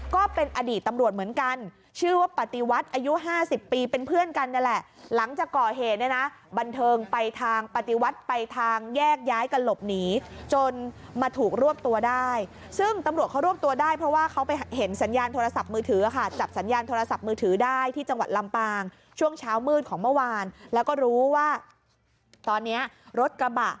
ก็เป็นอดีตตำรวจเหมือนกันชื่อว่าปฏิวัติอายุห้าสิบปีเป็นเพื่อนกันนั่นแหละหลังจากก่อเหตุเนี้ยนะบันเทิงไปทางปฏิวัติไปทางแยกย้ายกันหลบหนีจนมาถูกรวบตัวได้ซึ่งตำรวจเขารวบตัวได้เพราะว่าเขาไปเห็นสัญญาณโทรศัพท์มือถืออะค่ะจับสัญญาณโทรศัพท์มือถือได้ที่จังหวัด